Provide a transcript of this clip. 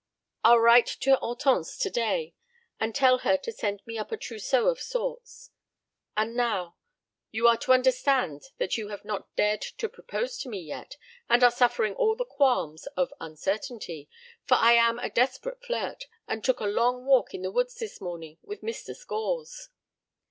I'll write to Hortense today and tell her to send me up a trousseau of sorts. And now you are to understand that you have not dared to propose to me yet and are suffering all the qualms of uncertainty, for I am a desperate flirt, and took a long walk in the woods this morning with Mr. Scores."